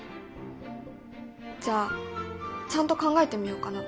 じゃあちゃんと考えてみようかな。